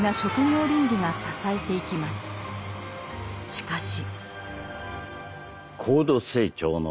しかし。